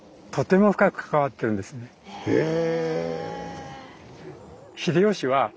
へえ。